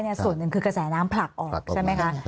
ส่วนหนึ่งคือกระแสน้ำผลักออกใช่ไหมคะ